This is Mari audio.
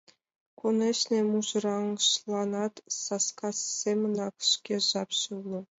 Конешне, мужыраҥашланат, саска семынак, шке жапше уло.